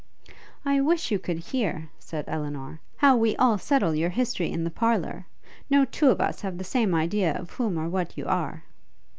'I wish you could hear,' said Elinor, 'how we all settle your history in the parlour. No two of us have the same idea of whom or what you are.'